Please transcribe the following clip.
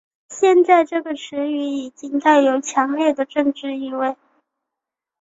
现在这个词语已经带有强烈的政治意味。